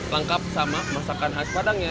lengkap sama masakan khas padangnya